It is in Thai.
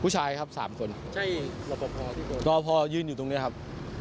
ผู้ชายครับสามคนรอพอยืนอยู่ตรงเนี้ยครับ